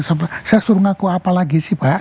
saya suruh ngaku apa lagi sih pak